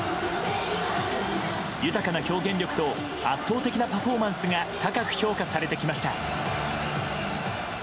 豊かな表現力と圧倒的なパフォーマンスが高く評価されてきました。